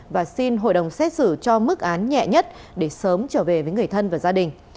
và xin hội đồng xét xử cho mức án nhẹ nhất để sớm trở về với người thân và gia đình